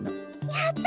やった！